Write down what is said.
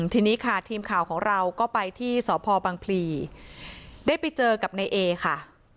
ทีนี้ค่ะทีมข่าวของเราก็ไปที่สพบังพลีได้ไปเจอกับในเอค่ะ